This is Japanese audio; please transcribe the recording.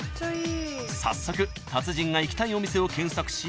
［早速達人が行きたいお店を検索し］